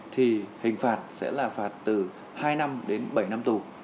thì hình phạt sẽ là phạt từ hai năm đến bảy năm tù